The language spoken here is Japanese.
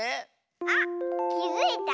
あっきづいた？